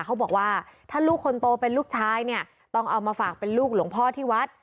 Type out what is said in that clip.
เขาบอกว่าถ้าลูกคนโตเป็นลูกชายเนี่ยต้องเอามาฝากเป็นลูกหลวงพ่อที่วัด